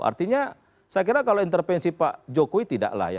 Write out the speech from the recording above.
artinya saya kira kalau intervensi pak jokowi tidaklah ya